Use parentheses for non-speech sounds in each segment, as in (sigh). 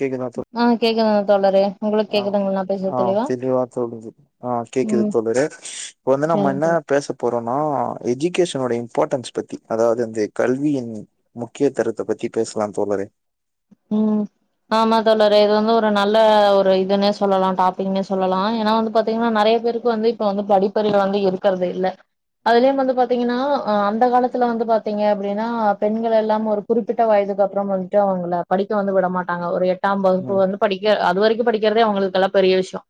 கேக்குதா தோ ஆ கேக்குதா தோழரே உங்களுக்கு ஆ கேக்குதுங்களா நா ஆ பேசுறது தெளிவா தெளிவ சொல்லுது ஆ கேக்குது ம் தோழரே இப்ப வந்து நம்ம என்னா பேச போறோம்னா எ எஜுகேசனுடைய இம்பார்ட்டன்ஸ் பத்தி அதாவது இந்த கல்வியின் முக்கியத்தரத்த பத்தி பேசலா தோழரே உம் ஆமா தோழரே இது வந்து ஒரு நல்ல ஒரு இதுன்னே சொல்லலா டாபிக்னே சொல்லலா ஏனா வந்து பாத்தீங்கனா நெறய பேருக்கு வந்து இப்ப வந்து படிப்பறிவு வந்து இருக்குறது இல்ல அதுலயும் வந்து பாத்தீங்கனா அந்த காலத்துல வந்து பாத்தீங்க அப்டினா பெண்கள் எல்லாம் ஒரு குறிப்பிட்ட வயதுக்கு அப்றம் வந்துட்டு அவங்கள படிக்க வந்து விட மாட்டாங்க ஒரு எட்டு ஆ இப்ப ம் வந்து படிக்க அது வரைக்கு படிக்கிறதே அவுங்களுக்கு எல்லா பெரிய விஷ்ய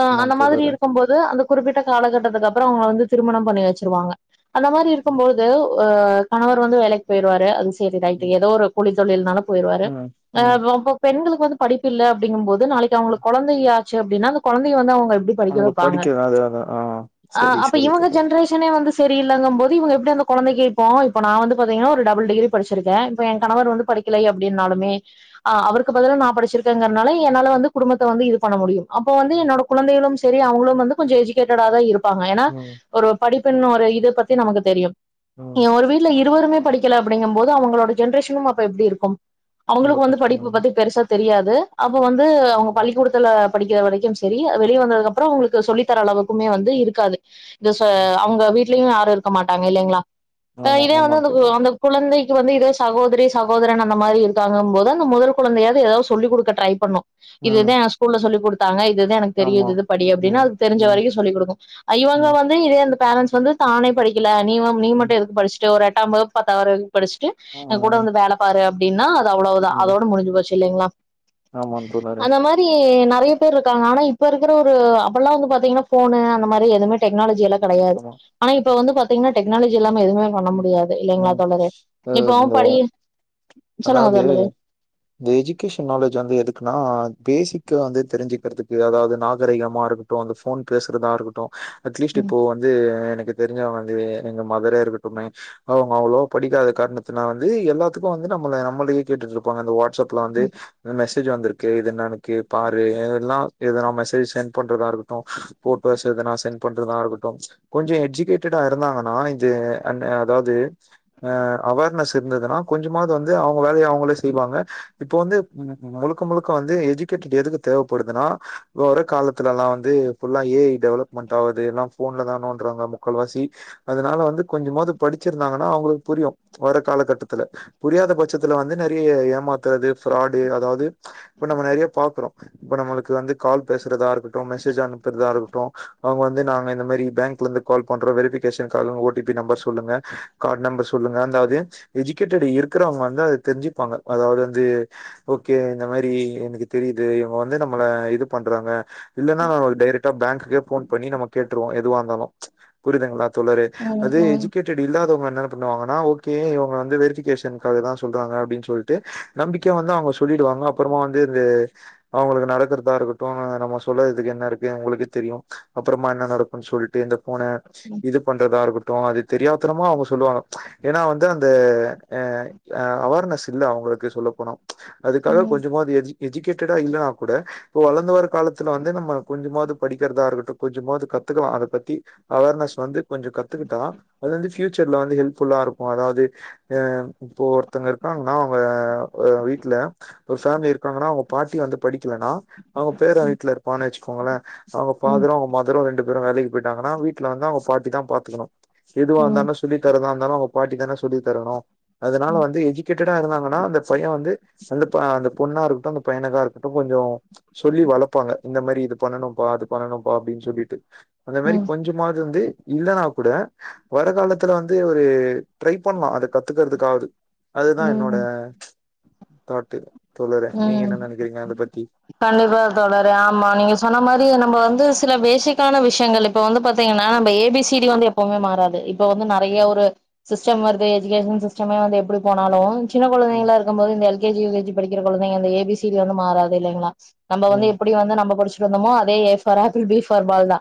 அ ஆமா அந்த மாதிரி தோழரே இருக்கும் போது அந்த குறிப்பிட்ட காலகட்டத்துக்கு அப்றோ அவுங்க வந்து திருமணபண்ணி வெச்சுருவாங்க அந்த மாதிரி ம் இருக்கும்போது அ அவரு வந்து வேலைக்கு போய்ருவாரு அது சரி ரைட்டு் ம் ஏதோ ஒரு கூலி தொழில்னாலு போயிருவாரு ம் அ ம் ரொம்ப பெண்களுக்கு வந்து படிப்பில்ல அப்டிங்கும் போது நாளைக்கு அவுங்களுக்கு குழந்தையாக சரி அப்டீனா அந்த கொழந்தைக்கு வந்து அவுங்க அப்ற எப்டி படிக்க அவங்க வெப்பாங்க படிக்கிறது அது அதா ஆ அ சரி அப்ப சரி இவுங்க தோழரே ஜென்ரேஷனே வந்து சரியில்லங்கம்போது இவுங்க எப்டி அந்த கொழந்தைக்கு இப்ப நா வந்து பாத்தீங்னா ஒரு டபுள் டிகிரி படிச்சிருக்கே இப்ப எ கணவர் வந்து படிக்கல அப்டின்னாலும் மே அவருக்கு பதிலா நா படுச்சிருக்கேங்கறதுனால என்னால வந்து குடும்பத்த வந்து இது பண்ண முடியு அப்போ வந்து ம் என்னோட குழந்தைகளும் சே இதே அவுங்களும் வந்து கொஞ்ச எஜுகேட்டட தா இருக்கு ங்க ஏன்னா ம் ஒரு படிப்பு பின்னு ஒரு இத பத்தி நமக்கு தெரியு ம் ஒரு வீட்ல இருவருமே படிக்கல அப்படிங்கும் போது அவுங்களோட ஜென்ரேஷனும் அப்ப எப்டி இருக்கும் ரொம்ப அவுங்களுக்கு வந்து கஷ்டமா படிப்பு இருக்கு. பத்தி பெருசா தெரியாது அ அப்ப வந்து அவுங்க பள்ளிக்கூடத்ல படிக்ற வரைக்கு ட்லயும் சரி வெளிய வந்ததுக்கப்றொ அவுங்களுக்கு சொல்லி தர அளவுக்குமே வந்து இருக்காது த ச ம் அவுங்க வீட் லயு யாரு இருக்க மாட்டாங்க இல்லெங்ளா அ ஆமா இதே ஆமா வந்து அந்த தோழரே அந்த குழந்தை க்கு வந்து இதே சகோதரி சகோதரன் அந்த மாரி இரு ங்கும் போது அந்த மொதல் கொழந்தயாது எதாவ் சொல்லி குடுக்க ட்ரை பண்ணு ம் இதுதா எ ஸ்கூல்ல சொல்லி குடு க்காங்க த்தது எனக்கு தெரியு ஆமா இதுது படி அப்டின்னு ம் அதுக்கு தெரிஞ்ச ம் வரைக்கு சொல்லி குடுக்கு அ இவங்க ம் வந்து இதே அந்த பேரண்ட்ஸ் வந்து தானே படிக்கல நீ வம்‌ நீ ம் மட்டு எதுக்கு படுச்ட்டு ஒரட் டம்பதொ பத்தாவ‌ர படிச்ட்டு ஆ எ கூட வந்து வேல பாரு அப்டின்னா அ து அவ்ளவ்தா ம் அதோட முடுஞ்சு போச்சு இல்லெங்ளா ஆமா தோழரே அந்த மாரி நெறைய பேர் இருக்காங்க ஆனா இப் ப இருக்குற ஒரு அப்பல்லா வந்து பாத்திங்னா ஃபோனு அந்த மாரி எதுவ்மே டெக்னாலஜியல்லா கடையாது ஆமா ஆனா இப்ப வந்து பாத்தீங்னா டெக்னாலஜில்லா ம எதுவ்மே பண்ண ம் முடியாது இல்லெங்ளா ம். தோழரே இப்போ படி சொல்லுங்க அதாவுது தோழரே. இந்த எஜுகேஷன் நாலேஜ் வந்து எதுக்குன்னா பேசிக் க வந்து தெரிஞ்சுக்குறதுக்கு அதாவுது நாகரீகமா இருக்கட்டு அந்த ஃபோன் பேசுறதா இருக்கட்டு அட்லீஸ்ட் ம் இப்போ வந்து எனக்கு தெருஞ்சவுங்க வந்து எங்க மதரே இருக்கட்டுமே அவுங்க அவ்ளொவா படிக்காத காரணத்துனா வந்து எல்லாத்துக்கு வந் து நம்மள நம்மளே கேட்டுட்ருப்பாங்க இந்த வாட் ஸப்ல வந்து இந்த மெ செஜு வந்துருக்கு இது என்னனு கெ பாரு இதெல்லா எதுனா மெசேஜ் சென்ட் பண்றதா இருக்க ட்டு ஃபோட்டோஸ் எதுனா சென் பண்றதா இருக்கட்டு கொஞ்சொ எஜுகேட்டடா இருந்தாங்கனா இது அன் அதாவ்து ஆ அவார்னஸ் இருந்ததுனா கொஞ்சொ மாவ்து வந்து அவுங்க வேலய அவுங்களே செய்வாங்க இப்ப வந்து முழுக்க முழுக்க வந்து எஜுகேட்டட் எதுக்கு தேவப்படுதுன்னா இப்ப வர காலத்துலல்லா வந்து ஃபுல்லா ஏ ஐ டெவலப்மெண்ட் ஆவுது எல்லா ஃபோன்லதா நோன்றாங்க முக்கால் வாசி அதுனால வந்து கொஞ்சமாவ்து படுச்சிருந்தாங்கனா அவுங்களுக் புரியு வர காலகட்டத்துல புரியாத பச்சத்துல வந்து நறைய ஏமாத்துறது ஃபராடு அதாவ்து இப்ப நம்ம நெறைய பாக்குறோ இப்ப நம்மளுக்கு வந்து கால் பேசுறதா இருக்கட்டும் மெசேஜ் அனுப்புறதா இருக்கட்டு அவுங்க வந்து நாங்க இந்த மாரி பேங்க்லந்து கால் பண்றோ வெரிஃபிகேஷன்காக ஓ டி பி நம்பர் சொல்லுங்க கார்டு நம்பர் சொல்லுங்க அதாவ்து எஜுகேட்டட் இரு க்குறவ்ங்க வந்து அது தெருஞ்சுப்பாங்க அதாவ்து வந்து ஓகே இந்த மாரி எனக்கு தெரியிது இவுங்க வந்து நம்மள இது பண்றாங்க இல்லன்னா நா ஒரு டைரட் பேங்குகே போன் பண்ணி நம்ம கேட்ருவோ எதுவா இருந்தாலு புரியுதுங்ள தோழரே ம் அது ம் எஜுகேட்டடு இல்லாதவங்கனால பண்ணுவங்கனா ஓகே இவுங்க வந்து வெரிபிகேஷன் அதெலா சொல்றாங்க அப்டினு சொல்ட்டு நம்பிக்கையா வந்து அவுங்க சொல்லிடுவாங்க அப்றமா வந்து இந்த அவுங்களுக்கு நடக்குறதா இருக்கட்டு நம்ம சொல்லறதுக்கு என்ன இருக்கு உங்களுக்கே தெரியு அப்பறமா என்ன நடக்குனு சொல்லிட்டு இந்த போனே இது பண்றதா இரு ட்டோ அது தெரியாத்தனமா அவுங்க சொல்லுவாங்க ஏனா வந்து அந்த அ அ அவேர்னஸ் இல்ல அவுங்களுக்கு சொல்ல போன அதுக்காக ம் கொஞ்சமாது எழுஞ் எஜுகேட்டடா இல்லனா கூட இப்போது வளர்ந்து வர காலத்ல வந்து நம்ம கொஞ்சமாது படிக்கிறதா இருக்கட்டு கொஞ்சமாது கத்துக்கலா அத பத்தி அவேர்னஸ் வந்து கொஞ்சோ கத்துக்கிட்டோ அது வந்து ஃபயூச்சர்ல் வந்து ஹெல்ப்ஃபுல்லா இருக்கு அதாவது இப்போ ஒருத்தங்க இருக்காங்கனா அவுங்க வீட்ல ஒரு ஃபேமிலி இருக்காங்கனா அவுங்க பாட்டி வந்து படிக்கலனா அவுங்க பேரே வீட்ல இருப்பானாச்சி போகல அவுங்க ம் பாக்ரோ அவுங்க பாக்ரோ ரெண்டு பேரு வேலைக்கு போயிட்டாங்கனா வீட்ல வந்து அவுங்க பாட்டிதா பாத்துக்கணு எதுவா ம் இருந்தாலு சொல்லி தரதா இருந்தாலு பாட்டி தான சொல்லி தரணோ அதனால வந்து எஜுகேட் கா இருந்தாங்கனா அந்த பைய வந்து அந்த அந்த பொண்ணா இருக்கட்டு அந்த பையனுகா இருக்கட்டு கொஞ்சோ சொல்லி வளப்பாங்க இந்த மாரி இது பண்ணனுப்பா அது பண்ணனுப்பா அப்டின்னு சொல்லிட்டு அந்த மாதிரி ம் கொஞ்சமாவது வந்து இல்லன்னா கூட வர காலத்ல வந்து ஒரு ட்ரை பண்லா அத கத்துக்குறதுக்கு காது அதுதா ம் என்னோட தாட்டு தோழரே நீங்க உம் என்ன நெனைக்கிறீங்க அத பத்தி கண்டிப்பா தோழரே ஆமா நீங்க சொன்ன மாரி நம்ம வந்து சில பேசிக்கான விஷயங்களுக்கு இப்போ வந்து பாத்திங்னா அந்த ஏ பி சி டி வந்து எப்போமே மாறாது இப்ப இப்போ வந்து நெறய ம் ஒரு சிஸ்டம் வருது எஜுகேஷன் சிஸ்டமே வந்து எப்டி போனாலு சின்ன ம் கொழந்தைகள இருக்கு போது இந்த எழு (unintelligible) சின்ன கொழந்தைகள இந்த ஏ பி சில வந்து மாறாது இல்லைங்ளா நம்ம வந்து ம் எப்டி வந்து நம்ம படிச்சோ இருந்தமோ அதே A for apple B for ball தா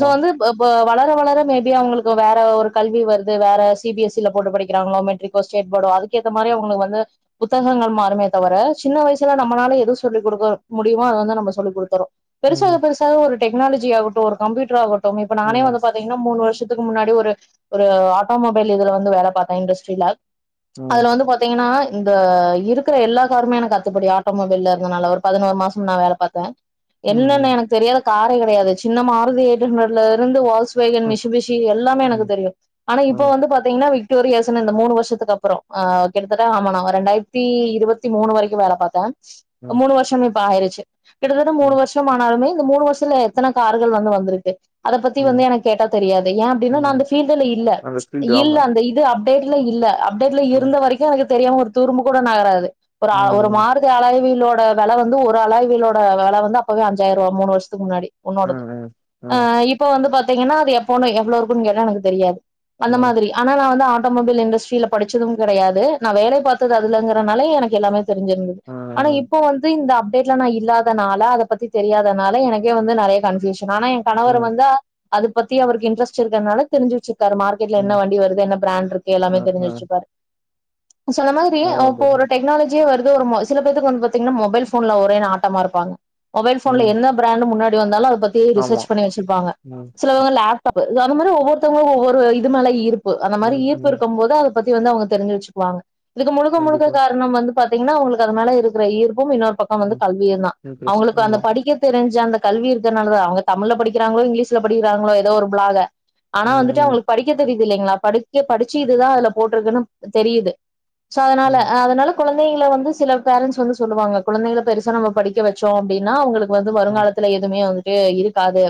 சோ வந்து வ வ வள இப்ப வளர மேபி அவங்களுக்கு வேற ஒரு கல்வி வருது வேற சி பி எஸ் யில போட்டு படிக்கிறாங்களோ மெட்ரிகோ ஸ்டேட் போர்டோ அதுக்கேத்த மாதிரி உங்களுக்கு வந்து புத்தகங்கள் மாருமே தவர சின்ன வயசுல நம்மலால எதுவு சொல்லி கொடுக்க முடியமோ அத வந்து நம்ம சொல்லி கொடுத்தறோ பெருசாக ம் பெருசாக ஒரு டெக்னாலஜியா ஆகட்டு ஒரு கம்ப்யூட்டராகட் டு இப்ப நானே ம் வந்து பாத்தீங்கனா மூணு வருஷ இதுக்கு முன்னாடி ஒரு ஒரு ஆட்டோமொபைல இதுல வந்து வேல பார்த்த இண்டஸ்ட்ரில ம் அதுல வந்து பாத்திங்கனா இந்த இருக்கிற எல்லா காருமே எனக்கு கத்துப்படி ஆட்டோமொபைல இருனால ஒரு பதினெரு மாசோ நா வேல பார்த்தே ம் என்னன்ன ம் எனக்கு தெரியாத காரே கெடையாது சின்ன மாருதி எயிட் ஹண்டரட்ல இருந்து வாஸ் இப்போ என் மிஷிபிஷி எல்லாமே எனக்கு ம் தெரியு ஆனா இப்ப ம் வந்து பாத்திங்கனா விட் ன்டு வரைக்கு யோசன இந்த மூணு வருஷத்துக்கு அப்றோ கிட்டத்தட்ட ஆம ரெண்டாயிரத்தி இருபத்தி மூணு வரைக்கு இங்கயு வேல பார்த்தே ம் மூணு வருஷம் பழயிருச்சு கிட்டத்தட்ட மூணு ம் வருஷோ ஆனாலுமே இந்த மூணு வருஷத்துல எத்தன கார்கள் வந்து வந்திருக்கு அத பத்தி வந்து ம் எனக்கு கேட்டா தெரியாது ஏன் அப்டின்னா நா ம் அந்த ஃபீல்டுல இல்ல அந்த ஃபீல்டு இல்ல ஆமா அந்த இது அப் டேட்ல இல்ல அப்டேட்ல ம் இருந்த வரைக்கு எனக்கு தெரியாமருக் துரும்பு கூட நகராது ஒரு ஆ ஒரு ம் அழாயவீலோட வெல வந்து ஒரு அழாயி வீலோட வெல வந்து அப்பவே அஞ்சாயிரோ ரூவா மூணு வருஷத்துக்கு முன்னாடி ம் உன்னோடது ம் ம் அ ம் இப்போ வந்து பா பத்தீங்கன்னா அதுஎப்போனு எவ்ளோ இருக்கு கேட்டா எனக்கு தெரியாது அந்த ம் மாதிரி ஆனா நா வந்து ஆன் நா மொபைல் இண்டஸ்ட்ரியில படிச்சது கிடையாது நா வேலை பார்த்தது அதுலங்கிறனாலே எனக்கு எல்லாமே தெரிஞ்சிருந்தது ஆனா ம் இப்போ வந்து இந்த அப் வீட்ல நா இல்லாதனால அத பத்தி தெரியாதனால எனக்கே வந்து நெறைய கன்ஃபியூஷ ன் ஆனா என் கணவர் ம் வந்து அது பத்தி அவருக்கு இன்ட்ரஸ்ட் இருக்கறனால தெரிஞ்சு வச்சு ருக்காரு. மார்க்கெட்ல என்ன ம் வண்டி வருது என்ன பிராண்ட் இருக்கு எல்லாமே தெரி்ஞ்சு வச்சுப்பாரு. சொன்ன மாரி அதுதா இப்போ தோழி ஒரு டெக்னால ஜி வருது ஒரு ம சில பேத்துக்கு வந்து பாத்தீங்கன்னா மொபைல் ஃபோன்ல ஒரே நாட்டமா இருப்பாங்க. மொபைல் ஃபோன்ல ம் என்ன பிராண்டு முன்னா டி வந்தாலு அது பத்தி ஆமா ரிசர்ச் பண்ணி வச்சிருப்பாங்க. ம் சிலவங்க லேப்டா ப் சொன்ன மாரி ஒவ்வொருத்தவுங்க ஒவ்வொரு இது மேல ஈர் ப்பு அந்த மாரி ம் ஈர்ப்பு ம் இருக்கும் போது அது பத்தி வந்து அவங்க தெரிஞ்சு வச்சுக்குவாங்க. இதுக்கு முழுக்க முழுக்க கண்டிப்பா காரணோ வந்து பாத்தீங்கன்னா உங்களுக்கு அது மேல இருக்குற ஈர் ப்பும் இன்னொரு பக்கோ வந்து ம் கல்வியுந்தா. இன்ட்ரெஸ்ட் அவங்களுக்கு அந்த ஆமா படிக்கத் தெரிஞ் சா அந்த கல்வி இருக்கறனாலதா. அவங்க தமிழ்ல படிக்கிறாங்களோ இங்கிலீஷ்ல படிக்கிறாங்களோ ஏதோ ஒரு பிளால ம் ஆனா வந்துட்டு ம் அவங்களுக்கு படிக்க தெரி யுது இல்லைங்களா படிக்க படிச்சு இதுதா அதுல போட்ருக்குன்னு தெரியுது. சோ அதனால ம் அதனால குழந்தைகள வந்து சில பேரண்ட்ஸ் வந்து சொல்லுவாங்க குழந்தைகள பெருசா நம்ம படிக்க வச்சோ அப்டின்னா அவங்களு க்கு வந்து ம் வருங்காலத்துல எதுமே வந்து ட்டு இருக்காது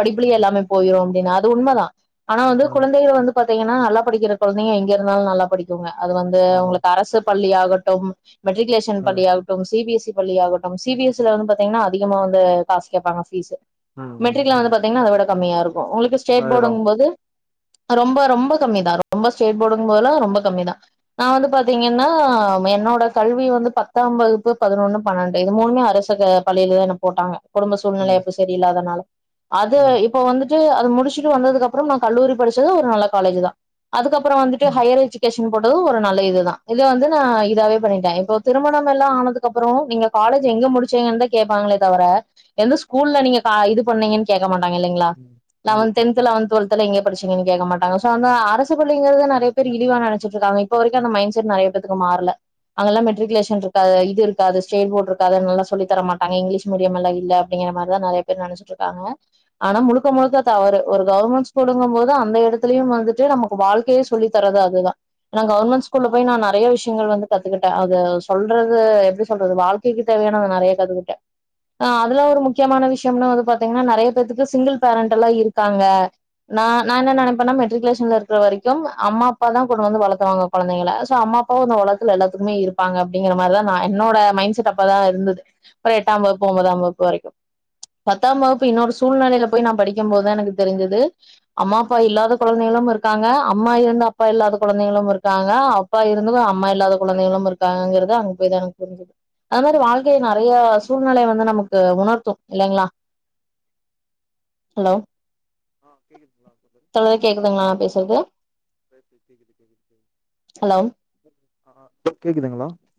படிப்புல ம் எல்லாமே போயிரு அப்டின்னா அது உண்மதா ஆனா வந்து ம் குழந்தைகள வந்து பா த்தீங்கன்னா நல்லா படிக்கிற கொழந்தைக எங்க இருந்தாலு நல்லா படிக்குங்க. அது வந்து ஆமா உங்களுக்கு அரசு பள்ளியாக ட்டும் மெட்ரிக்குலேஷன் ம் பள்ளியாகட்டும் சி பி எஸ் இ பள்ளியாகட்டும் சி பி எஸ் இ ல வந்து பாத்தீங்கன்னா அதிகமா வந்து காசு கேப்பாங்க ஃபீஸு ம் ம் மெட்ரிக்ல ம் வந்து பாத்தீங்கன்னா அத விட கம்மியா இரு க்கு உங்களுக்கு ஸ்டேட் அதேதா போர்டுங்கும் போது ஆ ரொம்ப ரொம்ப கம்மிதா ரொம்ப ஸ்டேட் போர்டுங்கும் போதுலா ரொம்ப கம்மிதா. நா வந்து பாத்தீங்கன்னா என்னோட கல்வி வந்து பத்தாம் வகுப்பு பதனொன்னு பன்னெண்டு இது மூணுமே அரசு க பள்ளியிலதா என்ன போட்டாங்க. குடும்ப சூழ்நிலை ம் அப்ப சரியில்லாதனால அது இப்ப வந்துட் டு அது முடிச்சுட்டு வந்ததுக்கு அப்புறம் நா கல்லூரி படிச்சது ஒரு நல்ல காலேஜுதா அதுக்கப்புறோ வந்துட்டு ம் ஹையர் எஜுகேஷ ன் போட்டது ஒரு நல்ல இதுதா இதே வந்து நா இ தாவே பண்ணிட்டே. இப்ப திருமணம் எல்லா ஆனதுக்கு அப்புறமு நீங்க காலேஜ் எங்க முடிச்சங்கன்னுதா கேப்பாங்களே தவிர எந்த ஸ்கூல்ல நீங்க கா இது பண்ணீங்கன்னு கேக்க மா ட்டாங்க இல்லைங்களா ம் நா வந்து கண்டிப்பா டென்த் லெவன்த் டுவெல் த்தல்லா எங்க படிச்சீங்கன்னு கேக்க மாட்டாங்க. சோ அந்த அரசு பள்ளிங்கறது நெறைய பேர் இழிவா நெனச்சிட்டு இருக்காங்க. இப்ப வரைக்கு அந்த மைண்ட் செட் நெறைய பேத்துக்கு மாறல. அதல்லா மெட்ரிகுலேஷன் இருக்காது இது இருக்காது ஸ்டேட் போர்டு இருக்காது நல்லா சொல்லித் தர மாட்டாங்க. இங்கிலீஷ் மீடியம் எல்லா இல்ல அப்டிங்கிற மாரிதா நெறைய பேர் நெனைச்சிட்ருக்காங்க. ஆனா முழுக்க முழுக்க தவறு. ஒரு கவர்மெண்ட் ஸ்கூலுங்கும் போது அந்த எடத்துலயு வந்துட்டு நமக்கு வாழ்க்கைய சொல்லி தர்றது அதுதா. ஏன்னா கவர்மெண்ட் ஸ்கூல்ல போய் நா நெறைய விஷயங்கள் வந்து கத்துக்கிட்டே அது சொல்றது எப்டி சொல்றது வாழ்க்கைக்கு தேவையானத நெறைய கத்துக்கிட்டே. ஆ அதுல ஒரு முக்கியமான விஷயம்னா வந்து பாத்தீங்கன்னா நெறைய பேத்துக்கு சிங்கிள் பேரண்ட் எல்லா இருக்காங்க. நா நா என்ன நெனைப்பேன்னா மெட்ரிகுலேஷன்ல இருக்கறவரைக்கும் அம்மா அப்பாதா கொண்டு வந்து வளத்துவாங்க கொழந்தைகள சோ அம்மா அப்பாவ இந்த உலக த்துல எல்லாத்துக்குமே இருப்பாங்க அப்டிங்கற மாரிதா நா என்னோட மைண்ட் செட் அப்பல்லா இருந்துது ஒரு எட்டாம் வகுப்பு ஒம்பதாம் வகுப்பு வரைக்கு. பத்தாம் வகுப்பு இன்னொரு சூழ்நிலையல போய் நா படிக்கும் போதுதா எனக்கு தெரிஞ்சுது அம்மா அப்பா இல்லாத குழைந்தைகளும் இருக்காங்க அம்மா இருந்து அப்பா இல்லாத குழந்தைகளும் இருக்காங்க அப்பா இருந்தும் அம்மா இல்லாத குழந்தைகளும் இருக்காங்கங்கறத அங்க போய்தா எனக்கு புரிஞ்சது. அது மாரி வாழ்க்கை நெறைய சூழ்நிலைய வந்து நமக்கு உணர்த்து இல்லைங்களா? ஹலோ ஆ கேக்குதுங்களா அப்ப சரி தோழரே கேக்குதுங்களா நா பேசுறது சேரி சேரி கேக்குது கேக்குது கேக்குது (inaudible) ஆ ஆ இப்ப கேக்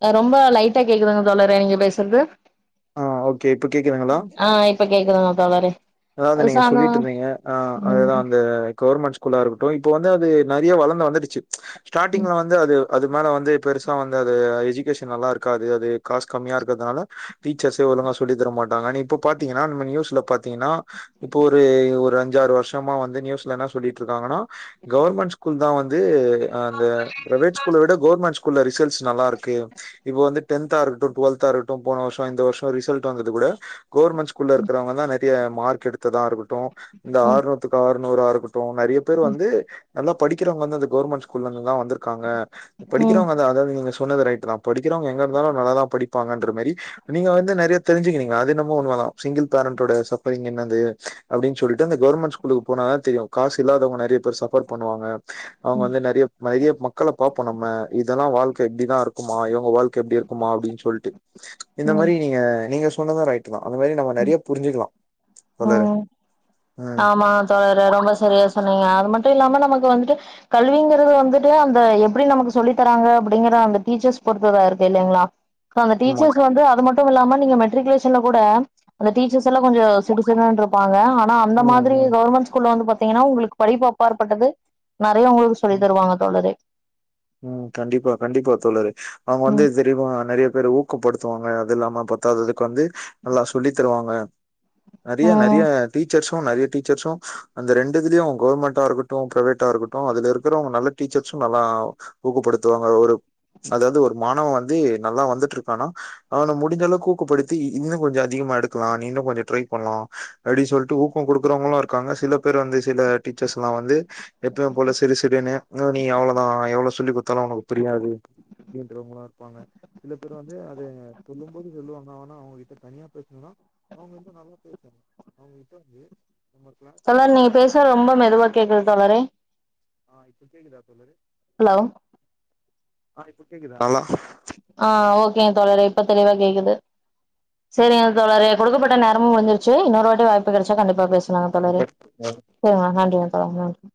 ஆ ரொம்ப லைட்டா கேக்குதுங்க தோழரே நீங்க பேசுறது ஆ ஓகே இப்ப கேக்குதுங்களா ஆ இப்ப கேக்குதுங்க தோழரே. அதாவது நீங்க சாதோ சொல்லிட்ருந்தீங்க ஆ ம் அதுதா அந்த கவர்மெண்ட் ஸ்கூலா இருக்கட்டு இப்ப வந்து அ து நெறைய வளந்து வந்துடுச்சு ஸ்டார்ட்டிங்ல வந்து அது அது மேல வந்து பெருசா வந்து அது எஜுகேஷன் நல்லா இருக்காது அது. காஸ் கம்மியா இருக்கறதுனால டீச்சர்ஸே ஒழுங்கா சொல்லி தரமாட்டாங்கன்னு. இப்போ பாத்தீங்கன்னா நம்ம நியூஸ்ல பாத்தீங்கன்னா இப்போ ஒரு ஒரு அஞ்சாறு வருஷமா வந்து நியூஸ்ல என்னா சொல்லிட்டு இருக்காங்கன்னா கவர்மெண்ட் ஸ்கூல்தா வந்து து ஆ அந்த பிரைவேட் ஸ்கூல விட கவுர்மெண்ட் ஸ் கூல்ல ரிசல்ட்ஸ் நல்லா இருக்கு. இப்ப வந்து டென்த்தா இருக்கட்டு டுவெல்த்தா இருக்கட்டு போன வருஷோ இந்த வருஷோ ரிசல்ட் வந்தது கூட கவர்மெண்ட் ஸ்கூல்ல இருக்கறவங்கதா நெ றைய மார் க் எடுத்ததா இருக்கட்டு இந்த ம் ஆறுநூத்துக்கு ஆறு நூறா இருக்கட் டு நெறைய பேர் வந்து நல்லா படிக்கிறவங்க வந்து அந்த கவர்மெண்ட் ஸ்கூல்ல இருந்துதா வந்திருக்காங்க ம் படிக்கிறவங்க அதா அதாவது நீங்க சொன்னது ரைட்டுதா. படிக்கிறவங்க எங்க இருந்தாலு நல்லாதா படிப்பாங்கன்ற மாரி நீங்க வந்து நெறைய தெரிஞ்சுக்கினீங்க அது என்னமோ உண்மதா சிங்கிள் பேரண்டோட சஃபரிங் என்ன து அப்டின்னு சொல்லிட்டு அந்த கவர்மெண்ட் ஸ்கூலுக்கு போனாதா தெரியு காசு இல்லாதவங்க நெறைய பேர் சஃபர் பண்ணுவாங்க அவங்க வந்து நெறைய நெறைய மக்கள பா ப்போ நம்ம இதெல்லா வாழ்க்க இப்டிதா இருக்குமா இவங்க வாழ்க்க எப்டி இரு க்குமா அப்டின்னு சொல்ட்டு. இந்த ம் மாரி நீங்க நீங்க சொன்னது ரைட்டுதா அந்த மாரி நம்ம நெறைய புரிஞ்சுக்கலா. தோழரே ம் ம் ஆமா தோழரே ரொம்ப சரியா சொன்னீங்க அது மட் டு இல்லாம நமக்கு வந்துட்டு கல்விங்கறது வந்துட்டு அந்த எப்பிடி நமக்கு சொல்லித் தராங்க அப்படிங்கற அந்த டீச்சர்ஸ் பொருத்துதா இருக்கு இல்லைங்களா? க்காங்க ஆமா டீச்சர்ஸ் வந்து அது ம ட்டும் இல்லாம நீங்க மெட்ரிகுலேஷன்ல கூட அந்த டீச்சர்ஸ் எல்லா கொஞ்சோ சிடுசிடுன்னு இருப்பாங்க ஆ னா அந்த ம் மாதிரி ம் கவர்மெண்ட் ஸ்கூல்ல வந்து பாத் தீங்கன்னா உங்களுக்கு படிப்பு அப்பாற்பட்டது நெறைய உங்களுக்கு சொல்லித் ம் தருவாங்க தோழரே. ம் கண்டிப்பா கண்டிப்பா தோழரே. அவங்க வந்து ம் சரிம்மா நெறைய பேர ஊக்கப்படுத்துவாங்க அது இல்லாம ப த்தாததுக்கு வந்து நல்லா சொல்லித் தருவாங்க நெறைய ம் நெறைய டீச்சர்ஸ் ட்டு நெறைய டீச்சர்ஸு அந்த ரெண்டுல இதுலயு கவர்மெண்ட்டா இருக்கட்டு பிரைவேட்டா இருக்கட்டு அதுல இருக்கறவங்க நல்ல டீச்சர்சு நல்லா ஊக்கப்படுத்துவாங்க அது ஒரு அதாவது ஒரு மாணவன் வந்து நல்லா வந்துட்ருக்கான்னா அவன முடிஞ்ச அளவுக்கு ஊக்கப்படுத்தி இ இன்னு கொஞ்சோ அதிகமா எடுக்கலா நீ இன்னு கொஞ்சோ ட்ரை பண்லா அப்டி சொல்ட்டு ஊக்கோங் கொடுக்கறவங்களு இருக்காங்க சில பேர் வந்து சில டீச்சர்ஸ்லா வந்து எப்பவும் போல சிடுசிடுன்னு ஆ நீ அவ்ளோதா எவ்ளோ சொல்லி் குடுத்தாலு உனக்கு புரியாது அப்டின்றவங்களு இருப்பாங்க. சில பேர் வந்து அத சொல்லும் போது சொல்லுவாங்க ஆனா அவங்ககிட்ட தனியா பேசுனோனா அவங்க வந்து நல்லா பேசுவாங்க அவங்க கிட்ட வந்து நம்ம கிளாஸ்ல தோழர் நீங்க இருக்கும்போது பேசுறது ரொம்ப மெதுவா கேக்குது தோழரே. ஆ இப்ப கேக்குதா தோழரே? ஹலோ ஆ இப்ப கேக்குதுங்களா? ஆ ஓகேங்க தோழரே இப்ப தெளிவா கேக்குது. சரிங்க தோழரே கொடுக்கப்பட்ட நேரமு முடிஞ்சிருச்சு இன்னொரு வாட்டி வாய்ப்பு கெடைச்சா கண்டிப்பா பேச லாங்க தோழரே செரிங்க நன்றிங்க தோழா நன்றி